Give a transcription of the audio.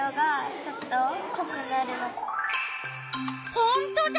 ほんとだ！